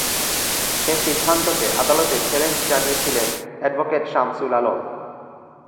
এ সিদ্ধান্তকে আদালতে চ্যালেঞ্জ জানিয়েছিলেন অ্যাডভোকেট শামসুল আলম।